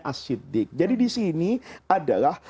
asyiddik jadi di sini adalah